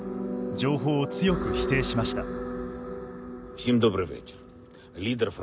情報を強く否定しました。